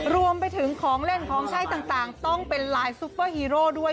รวมไปถึงของเล่นของใช้ต่างต้องเป็นลายซุปเปอร์ฮีโร่ด้วย